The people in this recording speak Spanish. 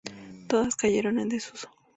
Todas cayeron en desuso.